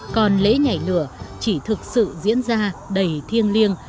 còn lễ nhảy lửa chỉ thực sự diễn ra đầy thiêng liêng